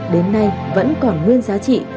đến nay vẫn còn nguyên giá trị